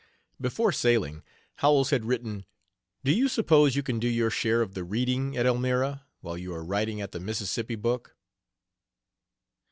Before sailing, Howells had written: "Do you suppose you can do your share of the reading at Elmira, while you are writing at the Mississippi book?"